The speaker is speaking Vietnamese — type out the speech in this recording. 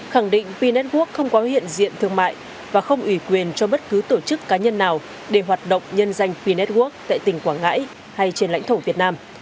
khẳng định p network không có hiện diện thương mại và không ủy quyền cho bất cứ tổ chức cá nhân nào để hoạt động nhân danh p network tại tỉnh quảng ngãi hay trên lãnh thổ việt nam